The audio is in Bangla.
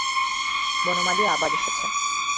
বনমালী আবার এসেছে।